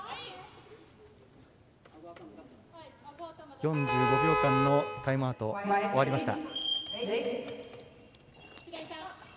４５秒間のタイムアウト終わりました。